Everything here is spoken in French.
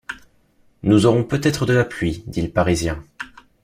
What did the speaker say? Nous aurons peut-être de la pluie, dit le parisien.